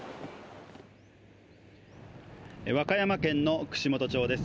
和歌山県の串本町です